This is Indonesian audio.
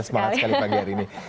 semangat sekali pagi hari ini